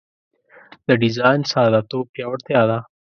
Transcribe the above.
د ډیزاین ساده توب پیاوړتیا ده.